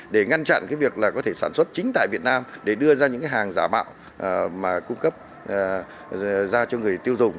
để ngăn chặn cái việc là có thể sản xuất chính tại việt nam để đưa ra những cái hàng giả mạo mà cung cấp ra cho người tiêu dùng